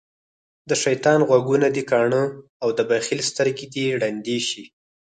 دشيطان غوږونه دکاڼه او دبخیل سترګی د ړندی شی